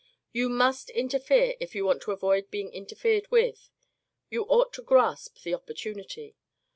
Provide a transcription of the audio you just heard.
You must interfere if you want to avoid being interfered with. You ought to grasp the opportunity.